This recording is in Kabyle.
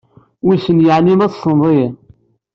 Wissen yeɛni ma tessneḍ-iyi?